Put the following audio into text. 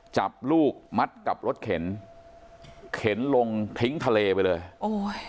จับลูกมัดกับรถเข็นเข็นลงทิ้งทะเลไปเลยโอ้ย